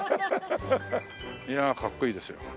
いやかっこいいですよ。